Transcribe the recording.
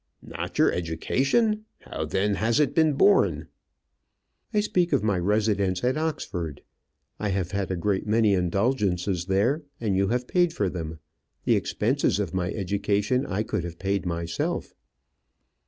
"Not your education! How, then, has it been borne?" "I speak of my residence at Oxford. I have had a great many indulgences there, and you have paid for them. The expenses of my education I could have paid myself."